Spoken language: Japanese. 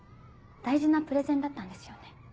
大事なプレゼンだったんですよね。